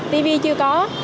tv chưa có